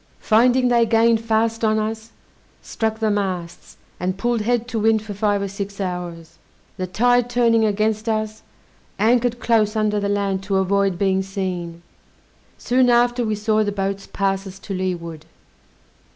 Finding they gained fast on us, struck the masts, and pulled head to wind for five or six hours. The tide turning against us, anchored close under the land to avoid being seen. Soon after we saw the boats pass us to leeward.